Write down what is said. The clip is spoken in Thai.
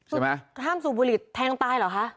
ห้ามสูบบุหรี่แทงตายเหรอคะ